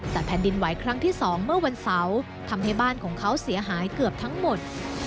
แต่แผ่นดินไหวครั้งที่๒เมื่อวันเสาร์ทำให้บ้านของเขาเสียหายเกือบทั้งหมด